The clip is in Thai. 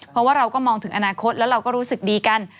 เพราะว่าเราก็มองถึงอนาคตแล้วเราก็รู้สึกดีกัน